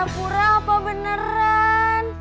ih pura pura apa beneran